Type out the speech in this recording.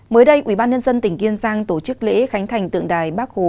mới đây ubnd tỉnh kiên giang tổ chức lễ khánh thành tượng đài bắc hồ